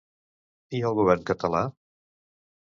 I el govern català?